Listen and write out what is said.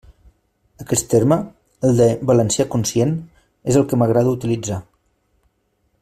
Aquest terme, el de «valencià conscient» és el que m'agrada utilitzar.